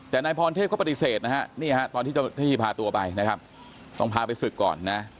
แต่นายพรเทพก็ปฏิเสธนะครับตอนเจ้าหน้าที่พาตัวไปต้องพาไปศึกก่อนนะ